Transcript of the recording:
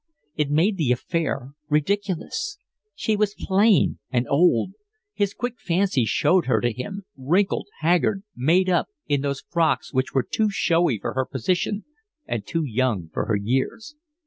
It made the affair ridiculous. She was plain and old. His quick fancy showed her to him, wrinkled, haggard, made up, in those frocks which were too showy for her position and too young for her years.